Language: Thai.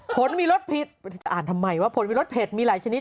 ผลมีรสผิดจะอ่านทำไมว่าผลมีรสเผ็ดมีหลายชนิด